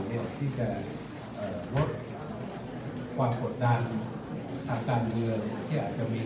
อยากที่จะลดความกดดันทางการเมืองที่อาจจะมี